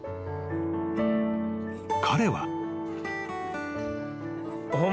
［彼は］